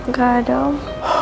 gak ada om